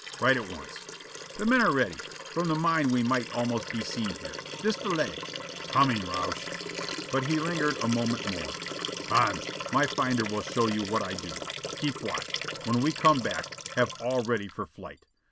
Right at once." "The men are ready. From the mine we might almost be seen here. This delay " "Coming, Rausch." But he lingered a moment more. "Hans, my finder will show you what I do. Keep watch. When we come back, have all ready for flight.